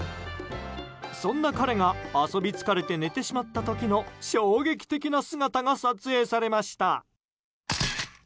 そんな彼が、遊び疲れて寝てしまった時の衝撃的な姿が撮影されました。